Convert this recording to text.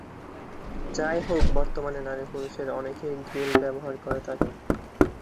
যাই হোক, বর্তমানে নারী-পুরষের অনেকেই গ্রিল ব্যবহার করে থাকে।